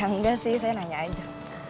ya enggak sih saya nanya aja